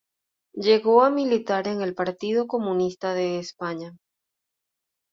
Llegó a militar en el Partido Comunista de España.